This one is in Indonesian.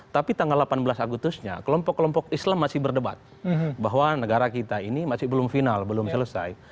tapi tanggal delapan belas agustusnya kelompok kelompok islam masih berdebat bahwa negara kita ini masih belum final belum selesai